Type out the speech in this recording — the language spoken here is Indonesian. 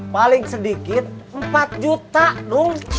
paling sedikit empat juta dong